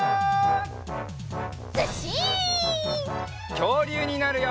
きょうりゅうになるよ！